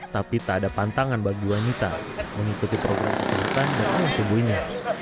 tapi tak ada pantangan bagi wanita mengikuti program keseluruhan dari anak tubuhnya